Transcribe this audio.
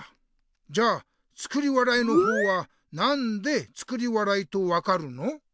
じゃあ作り笑いの方はなんで「作り笑い」と分かるの？